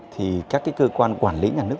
thì các cái cơ quan quản lý nhà nước